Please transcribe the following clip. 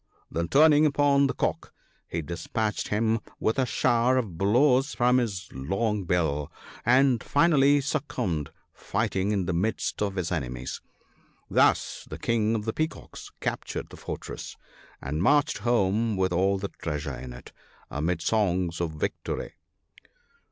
Then turning upon the Cock, he despatched him with a shower of blows from his long bill ; and finally suc cumbed, fighting in the midst of his enemies. Thus the King of the Peacocks captured the fortress ; and marched home with all the treasure in it, amid songs of victory.